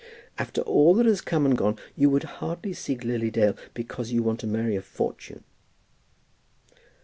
"After all that has come and gone you would hardly seek Lily Dale because you want to marry a fortune."